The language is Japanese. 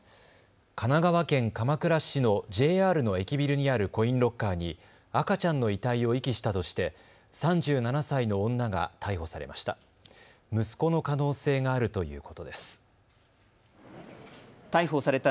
神奈川県鎌倉市のＪＲの駅ビルにあるコインロッカーに赤ちゃんの遺体を遺棄したとして３７歳の女が逮捕されました。